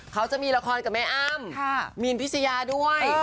เขาจะมีละครกับแม่อ้ำมีนพิชยาด้วย